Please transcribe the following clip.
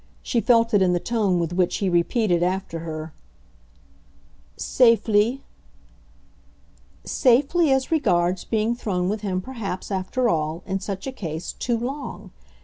She felt it in the tone with which he repeated, after her, "'Safely' ?" "Safely as regards being thrown with him perhaps after all, in such a case, too long.